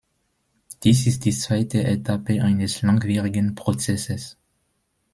Dies ist die zweite Etappe eines langwierigen Prozesses.